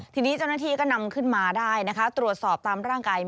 ทีนี้เจ้าหน้าที่ก็นำขึ้นมาได้นะคะตรวจสอบตามร่างกาย